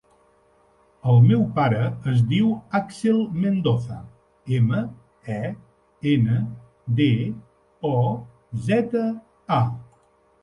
El meu pare es diu Axel Mendoza: ema, e, ena, de, o, zeta, a.